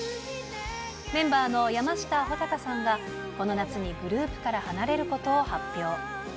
メンバーの山下穂尊さんがこの夏にグループから離れることを発表。